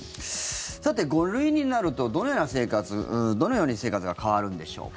さて、５類になると、どのように生活が変わるんでしょうか。